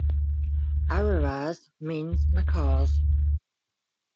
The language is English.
Araras means macaws.